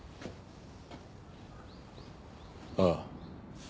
ああ。